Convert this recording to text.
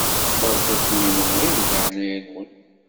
Beṛka-ken imenɣi di leɛnaya-nwen.